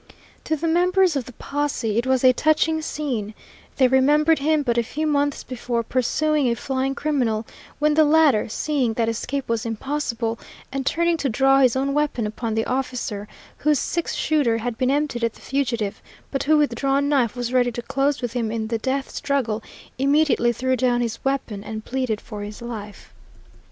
To the members of the posse it was a touching scene: they remembered him but a few months before pursuing a flying criminal, when the latter seeing that escape was impossible and turning to draw his own weapon upon the officer, whose six shooter had been emptied at the fugitive, but who with drawn knife was ready to close with him in the death struggle immediately threw down his weapon and pleaded for his life.